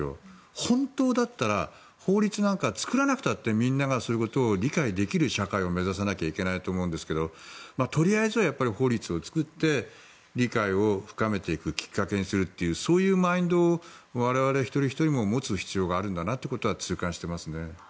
本当だったら、法律なんか作らなくたってみんながそういうことを理解できる社会を目指さなきゃいけないと思うんですけどとりあえずは法律を作って理解を深めていくきっかけにするというそういうマインドを我々一人ひとりも持つ必要があるんだなということは痛感してますね。